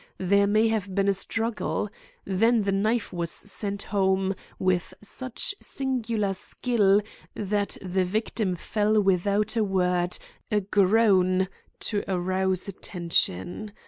There may have been a struggle. Then the knife was sent home, with such singular skill that the victim fell without a word, a groan, to arouse attention.